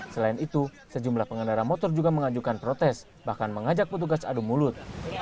selain itu sejumlah pengendara motor juga mengajukan protes bahkan mengajak petugas adu mulut